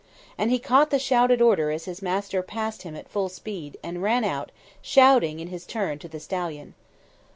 And he caught the shouted order as his master passed him at full speed, and ran out, shouting in his turn to the stallion.